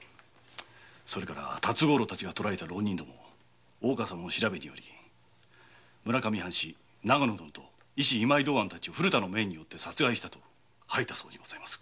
それから辰五郎たちが捕えた浪人ども大岡様の調べにより村上藩士・長野殿と医師・今井道庵たちを古田の命によって殺害したと吐いたそうにございます。